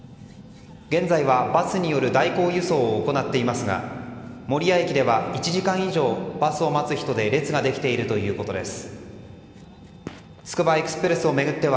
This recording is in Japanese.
現在はバスによる代行輸送を行っていますが守谷駅では１時間以上バスを待つ人で列ができているということです。